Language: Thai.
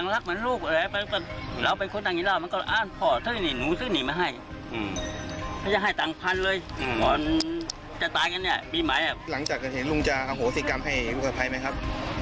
หลังจากกันเห็นลุงจะอโหสิกรรมให้ลูกสะพ้ายไหมครับ